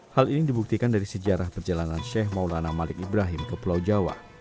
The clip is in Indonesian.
hal ini dibuktikan dari sejarah perjalanan sheikh maulana malik ibrahim ke pulau jawa